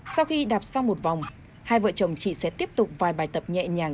sau khi đạp sang một vòng hai vợ chồng chị sẽ tiếp tục vài bài tập nhẹ nhàng